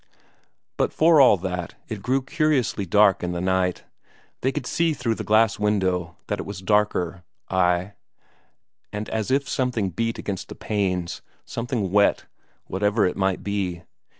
But for all that, it grew curiously dark in the night. They could see through the glass window that it was darker ay, and as if something beat against the panes, something wet, whatever it might be.